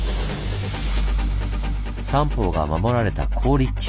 三方が守られた好立地。